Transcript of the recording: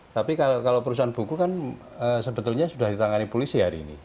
tapi kalau perusahaan buku kan sebetulnya sudah ditangani polisi hari ini